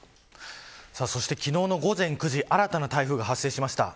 そして昨日の午前９時新たな台風が発生しました。